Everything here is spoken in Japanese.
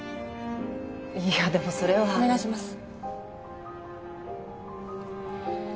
いやでもそれはお願いします